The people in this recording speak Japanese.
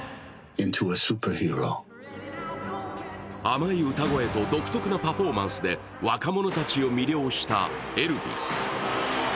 甘い歌声と独特なパフォーマンスで若者たちを魅了したエルヴィス。